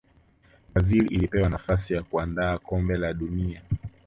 brazil ilipewa nafasi ya kuandaa kombe la duni